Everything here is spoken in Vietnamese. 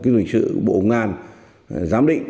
lịch sử bộ công an giám định